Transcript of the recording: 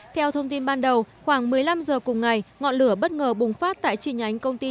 theo thông tin ban đầu khoảng một mươi năm h cùng ngày ngọn lửa bất ngờ bùng phát tại chi nhánh công ty